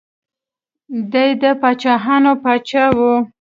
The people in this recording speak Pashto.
دی د پاچاهانو پاچا و.